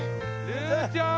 竜ちゃん！